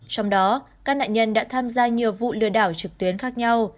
trong đó các nạn nhân đã tham gia nhiều vụ lừa đảo trực tuyến khác nhau